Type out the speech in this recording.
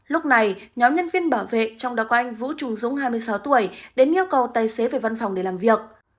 lúc này nhóm nhân viên bảo vệ trong đó có anh vũ trung dũng hai mươi sáu tuổi đến yêu cầu tài xế về văn phòng để làm việc